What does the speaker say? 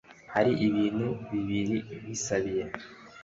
hari ibintu bibiri nkwisabiye